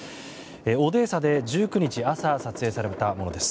オデーサで１９日朝撮影されたものです。